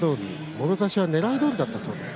もろ差しはねらいどおりだったそうです。